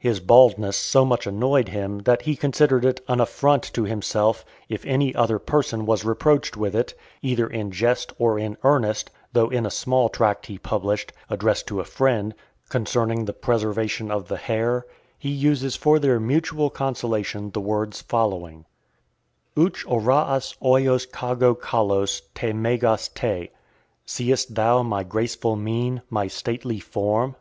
His baldness so much annoyed him, that he considered it an affront to himself, if any other person was reproached with it, either in jest or in earnest; though in a small tract he published, addressed to a friend, "concerning the preservation of the hair," he uses for their mutual consolation the words following: Ouch oraas oios kago kalos te megas te; Seest thou my graceful mien, my stately form?